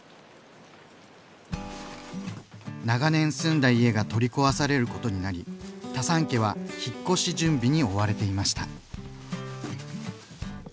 長年住んだ家が取り壊されることになりタサン家は引っ越し準備に追われていました。